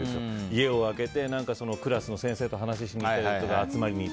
家を空けて、クラスの先生と話をしに行ったりとか。